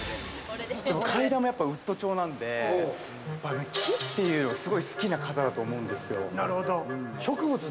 階段もやっぱウッド調なんで、木というのがすごい好きな方だと思うんですよ。